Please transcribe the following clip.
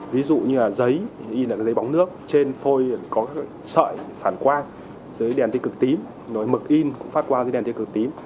ví dụ như là giấy in là giấy bóng nước trên phôi có sợi phản quang dưới đèn tên cực tím mực in cũng phát quang dưới đèn tên cực tím